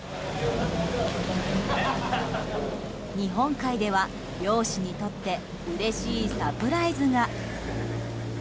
日本海では漁師にとってうれしいサプライズが。